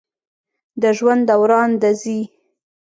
د ژوند دوران د زی